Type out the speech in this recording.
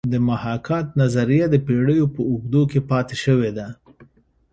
د محاکات نظریه د پیړیو په اوږدو کې پاتې شوې ده